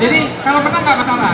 jadi kalau menang gak masalah